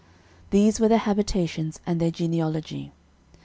These were their habitations, and their genealogy.